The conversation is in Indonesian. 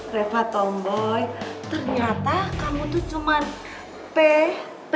reva tomboy ternyata kamu tuh cuman pe